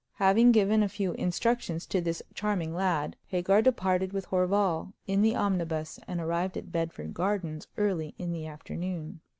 Having given a few instructions to this charming lad, Hagar departed with Horval in the omnibus, and arrived at Bedford Gardens early in the afternoon.